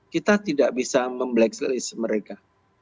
kita tidak bisa memblacklist mereka